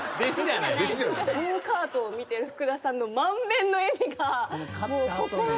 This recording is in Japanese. ゴーカートを見てる福田さんの満面の笑みが。